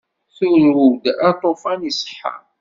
Turew-d aṭufan iṣeḥḥa.